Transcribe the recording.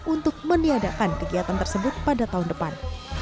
untuk meniadakan kegiatan tersebut pada tahun depan